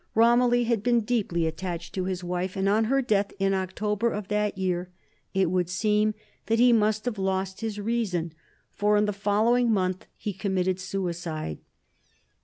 Romilly had been deeply attached to his wife, and on her death in October of that year, it would seem that he must have lost his reason, for, in the following month, he committed suicide.